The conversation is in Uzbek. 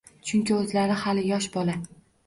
Chunki o`zlari hali yosh bola